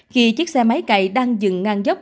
khi chiếc xe máy cày đang dừng ngang dốc